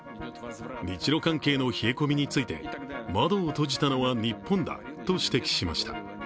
日ロ関係の冷え込みについて窓を閉じたのは日本だと指摘しました。